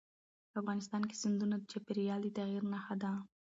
افغانستان کې سیندونه د چاپېریال د تغیر نښه ده.